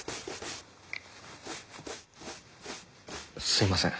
すみません。